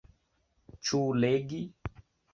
Ĉu legi?